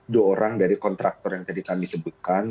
dua orang dari kontraktor yang tadi kami sebutkan